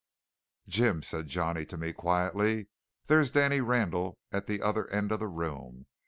"Jim," said Johnny to me quietly, "there's Danny Randall at the other end of the room.